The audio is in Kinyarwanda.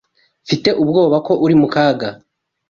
Mfite ubwoba ko uri mukaga.